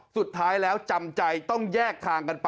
สุดท้ายแล้วจำใจต้องแยกทางกันไป